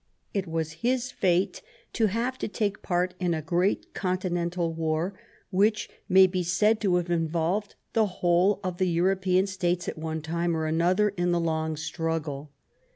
It was his fate to have to take part in a great continental war which may be said to have involved the whole of the European states at one time or another in the long struggle.